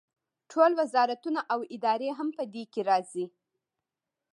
ټول وزارتونه او ادارې هم په دې کې راځي.